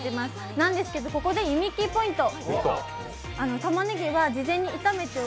なんですけど、ここでゆみっきーポイント。